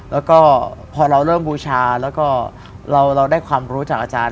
แล้วก็พอเราเริ่มบูชาแล้วก็เราได้ความรู้จากอาจารย์